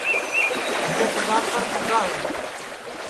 اِٻکے سِدادپر پُگا ہے